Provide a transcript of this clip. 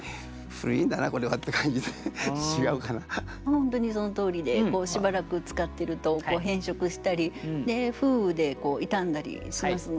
本当にそのとおりでしばらく使ってると変色したり風雨で傷んだりしますので。